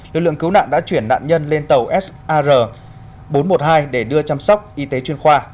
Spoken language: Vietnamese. lực lượng cứu nạn đã chuyển nạn nhân lên tàu sar bốn trăm một mươi hai để đưa chăm sóc y tế chuyên khoa